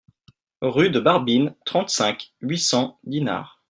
Rue de Barbine, trente-cinq, huit cents Dinard